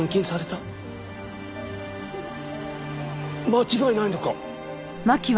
間違いないのか？